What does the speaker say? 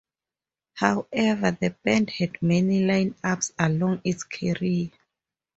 However, the band had many lineups along its career.